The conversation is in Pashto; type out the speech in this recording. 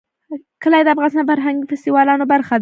کلي د افغانستان د فرهنګي فستیوالونو برخه ده.